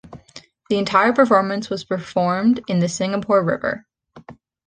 The entire performance was performed in the Singapore River.